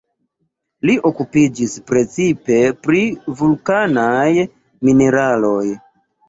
Li okupiĝis precipe pri vulkanaj mineraloj.